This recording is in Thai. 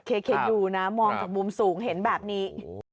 อยู่นะมองจากมุมสูงเห็นแบบนี้